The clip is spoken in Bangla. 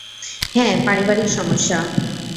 হ্যাঁ, পারিবারিক সমস্যা।